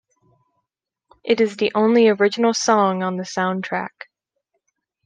It is the only original song on the soundtrack.